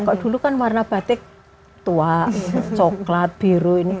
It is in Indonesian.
kalau dulu kan warna batik tua coklat biru ini